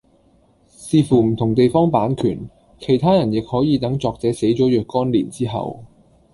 視乎唔同地方版權其他人亦可以等作者死咗若干年之後